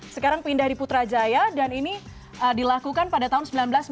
sekarang pindah di putrajaya dan ini dilakukan pada tahun seribu sembilan ratus sembilan puluh